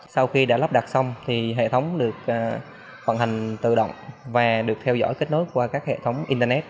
sau khi đã lắp đặt xong thì hệ thống được vận hành tự động và được theo dõi kết nối qua các hệ thống internet